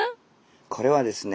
これはですね